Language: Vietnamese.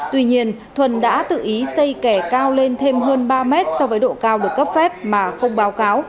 tuy nhiên thuần đã tự ý xây kẻ cao lên thêm hơn ba mét so với độ cao được cấp phép mà không báo cáo